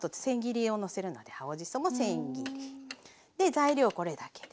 材料これだけで。